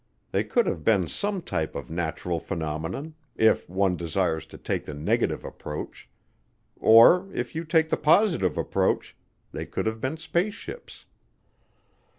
They could have been some type of natural phenomenon, if one desires to take the negative approach. Or, if you take the positive approach, they could have been spaceships.